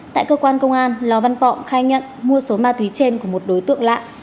tại cơ quan công an lò văn vọng khai nhận mua số ma túy trên của một đối tượng lạ